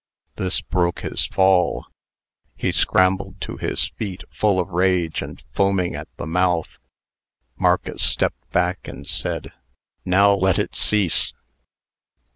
This broke his fall. He scrambled to his feet, full of rage, and foaming at the mouth. Marcus stepped back, and said, "Now let it cease."